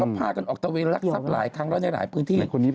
พากันออกตะเวนรักทรัพย์หลายครั้งแล้วในหลายพื้นที่